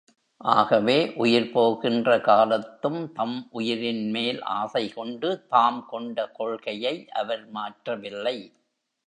ஆகவே உயிர் போகின்ற காலத்தும் தம் உயிரின்மேல் ஆசை கொண்டு தாம் கொண்ட கொள்கையை அவர் மாற்றவில்லை.